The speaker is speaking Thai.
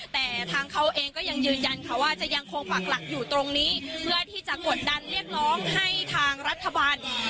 แต่ทางเขาเองก็ยังยืนยันค่ะว่าจะยังคงปักหลักอยู่ตรงนี้เพื่อที่จะกดดันเรียกร้องให้ทางรัฐบาล